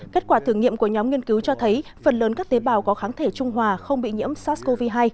kết quả thử nghiệm của nhóm nghiên cứu cho thấy phần lớn các tế bào có kháng thể trung hòa không bị nhiễm sars cov hai